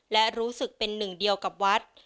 และรู้สึกเป็นหนึ่งเดียวกับวัด